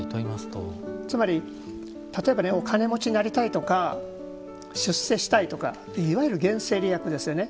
つまり例えばお金持ちになりたいとか出世したいとかいわゆる現世利益ですよね。